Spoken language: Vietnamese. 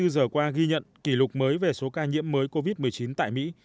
hai mươi giờ qua ghi nhận kỷ lục mới về số ca nhiễm mới covid một mươi chín tại mỹ